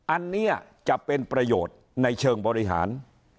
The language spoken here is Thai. อันนี้จะเป็นประโยชน์ในเชิงบริหาร